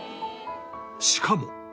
しかも